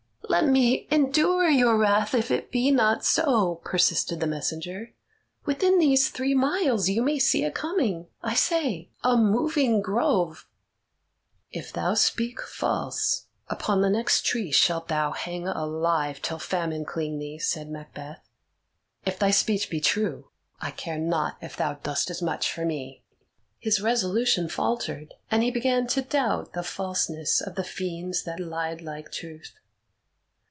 "Let me endure your wrath if it be not so," persisted the messenger. "Within these three miles you may see it coming; I say, a moving grove." "If thou speak false, upon the next tree shalt thou hang alive till famine cling thee," said Macbeth. "If thy speech be true, I care not if thou dost as much for me." His resolution faltered, and he began to doubt the falseness of the fiends that lied like truth.